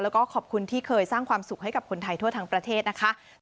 แล้วก็ขอบคุณที่เคยสร้างความสุขให้กับคนไทยทั่วทั้งประเทศนะคะ